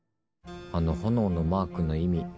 あの炎のマークの意味